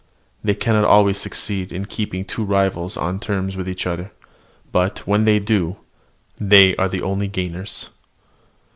They cannot always succeed in keeping two rivals on terms with each other; but, when they do, they are the only gainers.